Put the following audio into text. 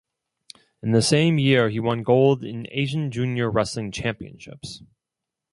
In the same year he won gold in Asian Junior Wrestling Championships.